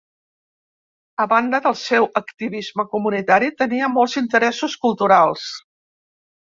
A banda del seu activisme comunitari, tenia molts interessos culturals.